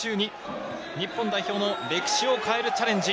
日本代表の歴史を変えるチャレンジ。